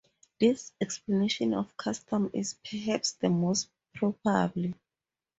This explanation of the custom is perhaps the most probable.